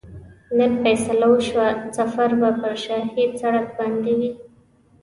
نن فیصله وشوه سفر به پر شاهي سړک باندې وي.